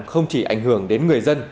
không chỉ ảnh hưởng đến người dân